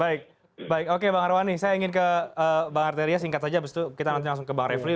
baik baik oke bang arwani saya ingin ke bang arteria singkat saja abis itu kita langsung ke bang refli